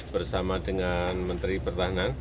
bersama dengan menteri pertahanan